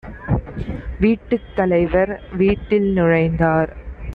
வீட்டுத் தலைவர் வீட்டில் நுழைந்தார்.